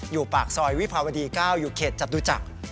ปากซอยวิภาวดี๙อยู่เขตจตุจักร